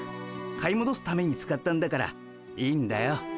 買いもどすために使ったんだからいいんだよ。